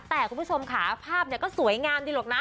แต่คุณผู้ชมค่ะภาพก็สวยงามดีหรอกนะ